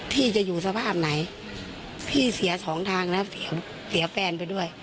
พี่จะอยู่สภาพไหนพี่เสียสองทางแล้วเสียแฟนไปด้วย